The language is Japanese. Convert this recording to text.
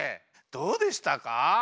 どうでしたか？